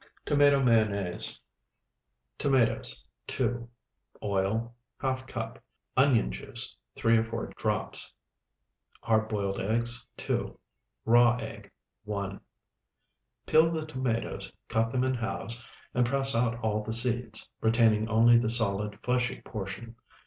TOMATO MAYONNAISE Tomatoes, 2. Oil, ½ cup. Onion juice, 3 or 4 drops. Hard boiled eggs, 2. Raw egg, 1. Peel the tomatoes, cut them in halves, and press out all the seeds, retaining only the solid, fleshy portion.